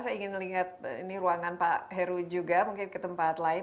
saya ingin melihat ini ruangan pak heru juga mungkin ke tempat lain